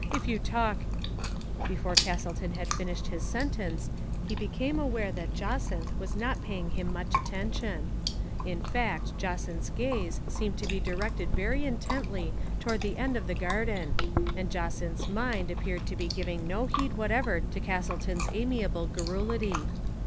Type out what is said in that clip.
If you talk " Before Castleton had finished his sentence he became aware that Jacynth was not paying him much attention. In fact, Jacynth's gaze seemed to be. directed very intently toward the end of the garden, and Jacynth's mind appeared to be giving no heed whatever to Castleton's amiable garrulity.